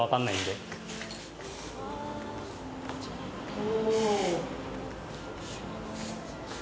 お。